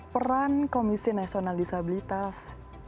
peran komisi nasional disabilitas